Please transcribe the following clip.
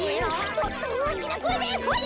もっとおおきなこえでファイア！